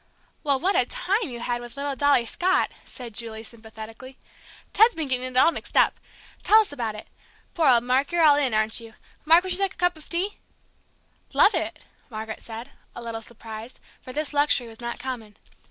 "Well, what a time you had with little Dolly Scott!" said Julie, sympathetically. "Ted's been getting it all mixed up! Tell us about it. Poor old Mark, you're all in, aren't you? Mark, would you like a cup of tea?" "Love it!" Margaret said, a little surprised, for this luxury was not common.